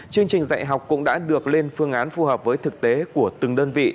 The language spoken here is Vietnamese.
chương trình dạy học cũng đã được lên phương án phù hợp với thực tế